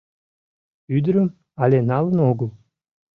Ӱдырым але налын огыл.